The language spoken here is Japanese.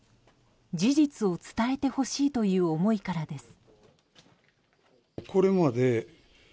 事実を伝えてほしいという思いからです。